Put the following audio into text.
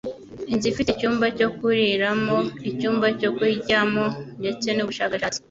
Inzu ifite icyumba cyo kuriramo, icyumba cyo kuryamo ndetse n’ubushakashatsi